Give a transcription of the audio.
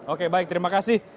oke baik terima kasih